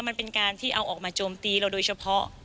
มันเป็นการที่เอาออกมาโจมตีเราโดยเฉพาะ